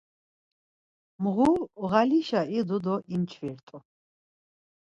Mğu, ğalişa idu do imçvirt̆u.